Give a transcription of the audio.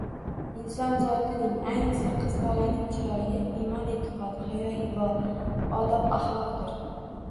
Inson zotining, ayniqsa, qiz bolaning chiroyi imon-e’tiqod, hayo-ibo, odob-axloqdir.